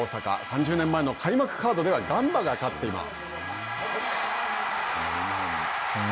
３０年前の開幕カードではガンバが勝っています。